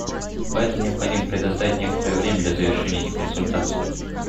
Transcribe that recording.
Поэтому необходимо предоставить некоторое время для завершения этих консультаций.